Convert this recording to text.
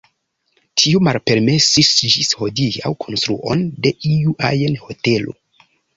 Tiu malpermesis ĝis hodiaŭ konstruon de iu ajn hotelo.